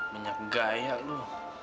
menyegah ya lo